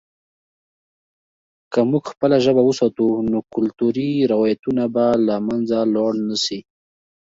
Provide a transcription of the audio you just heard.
که موږ خپله ژبه وساتو، نو کلتوري روایتونه به له منځه لاړ نه سي.